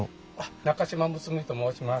中島睦巳と申します。